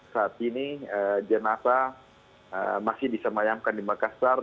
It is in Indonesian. saat ini jenasa masih disemayangkan di makassar